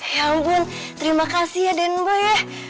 ya ampun terima kasih ya dan bu ya